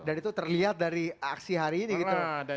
dan itu terlihat dari aksi hari ini gitu bang haidari